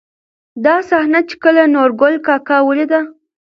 دا صحنه، چې کله نورګل کاکا ولېده.